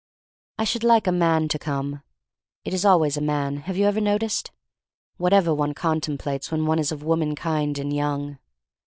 I should like a man to come (it is always a man, have you ever noticed? — whatever one contemplates when one is of womankind and young).